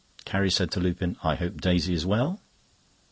Carrie said to Lupin: "I hope Daisy is well?"